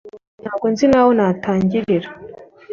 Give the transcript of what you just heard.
Ntabwo nzi n'aho natangirira